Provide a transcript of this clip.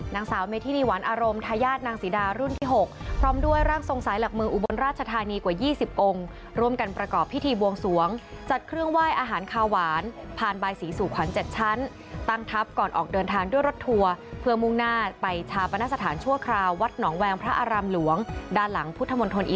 นางสาวเมธินีหวานอารมณ์ทายาทนางศรีดารุ่นที่๖พร้อมด้วยร่างทรงสายหลักเมืองอุบลราชธานีกว่า๒๐องค์ร่วมกันประกอบพิธีบวงสวงจัดเครื่องไหว้อาหารคาหวานผ่านบายศรีสู่ขวัญ๗ชั้นตั้งทัพก่อนออกเดินทางด้วยรถทัวร์เพื่อมุ่งหน้าไปชาปนสถานชั่วคราววัดหนองแวงพระอารามหลวงด้านหลังพุทธมนตร์